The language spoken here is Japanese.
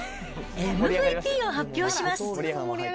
ＭＶＰを発表します。